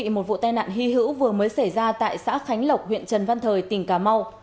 một vụ tai nạn hy hữu vừa mới xảy ra tại xã khánh lộc huyện trần văn thời tỉnh cà mau